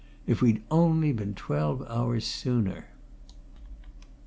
If we'd only been twelve hours sooner!"